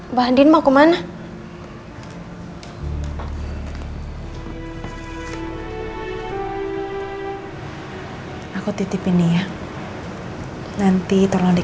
mbak andin gak boleh pergi